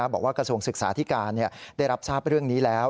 กระทรวงศึกษาธิการได้รับทราบเรื่องนี้แล้ว